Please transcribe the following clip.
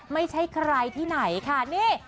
ไม่ใช่ใครที่ไหนค่ะนี่